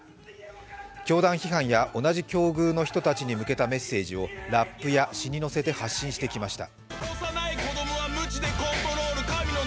教団批判や同じ境遇の人たちに向けたメッセージをラップや詩に乗せて発信してきました。